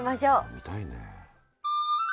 見たいね。